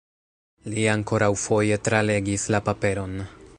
Li ankoraŭfoje tralegis la paperon.